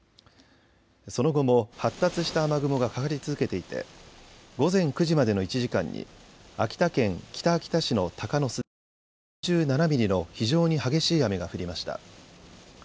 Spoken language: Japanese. その後も発達した雨雲がかかり続けていて午前９時までの１時間に秋田県北秋田市の鷹巣で６７ミリの非常に激しい雨が降りました。